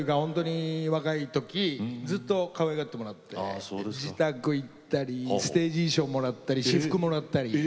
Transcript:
若いときずっとかわいがってもらって自宅行ったりステージ衣装もらったり私服をもらったり。